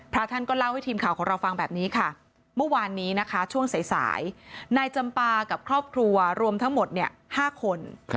พระท่านก็เล่าให้ทีมข่าวของเราฟังแบบนี้ค่ะเมื่อวานนี้นะคะช่วงสายนายจำปากับครอบครัวรวมทั้งหมด๕คน